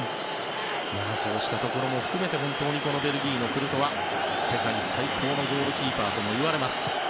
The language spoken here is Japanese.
そうしたところも含めてベルギーのクルトワ世界最高のゴールキーパーともいわれます。